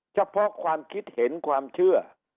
เฉพาะความคิดเห็นความเชื่อ